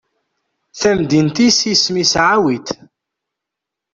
tamdint-is isem-is Ɛawit.